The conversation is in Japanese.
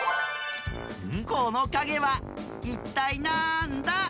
このかげはいったいなんだ？